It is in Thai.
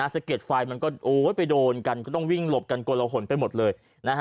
สะเก็ดไฟมันก็ไปโดนกันก็ต้องวิ่งหลบกันกลหนไปหมดเลย